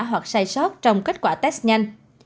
hoặc sai sót trong kết quả test nhanh